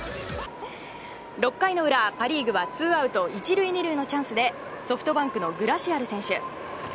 ６回の裏、パ・リーグはツーアウト１塁２塁のチャンスでソフトバンクのグラシアル選手。